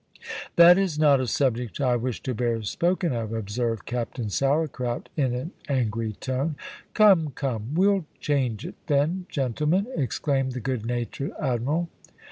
"That is not a subject I wish to bear spoken of," observed Captain Sourcrout, in an angry tone. "Come, come, we'll change it then, gentlemen," exclaimed the good natured admiral.